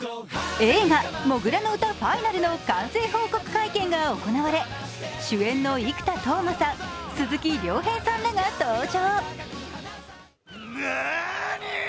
映画「土竜の唄ＦＩＮＡＬ」の完成報告会見が行われ主演の生田斗真さん、鈴木亮平さんらが登場。